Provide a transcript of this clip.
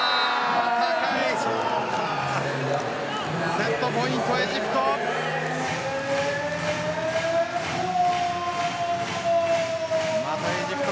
セットポイント、エジプト。